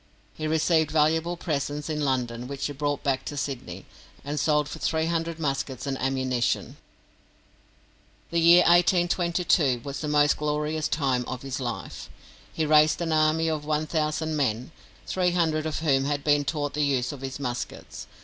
He received valuable presents in London, which he brought back to Sydney, and sold for three hundred muskets and ammunition. The year 1822 was the most glorious time of his life. He raised an army of one thousand men, three hundred of whom had been taught the use of his muskets.